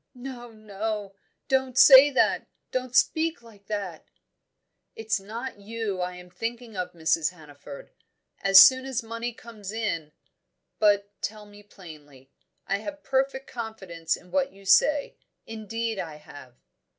"No, no! Don't say that don't speak like that!" "It's not you I am thinking of, Mrs. Hannaford. As soon as money comes in . But tell me plainly. I have perfect confidence in what you say, indeed I have."